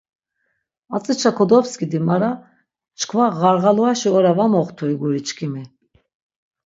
Atzişa kodostibi mara çkva ğarğaluaşi ora va moxtui guri çkimi?